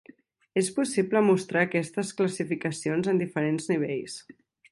És possible mostrar aquestes classificacions en diferents nivells.